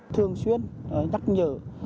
thường xuyên nhắc nhở